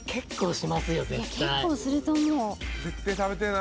結構すると思う。